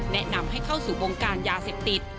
แนะนำให้เข้าสู่วงการยาเสพติด